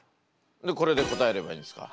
これで答えればいいんですか？